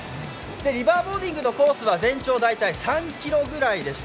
リバーボーディングのコースは全長大体３ｋｍくらいです。